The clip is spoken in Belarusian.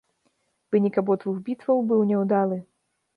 Вынік абодвух бітваў быў няўдалы.